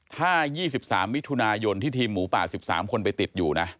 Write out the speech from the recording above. ถ้า๒๓มิถุนายนที่ทีมหมูป่า๑๓คนไปติดอยู่นะ